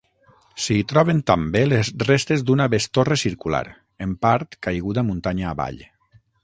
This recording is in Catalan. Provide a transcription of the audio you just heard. S'hi troben també les restes d'una bestorre circular, en part caiguda muntanya avall.